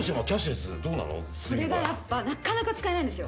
それがやっぱなかなか使えないんですよ。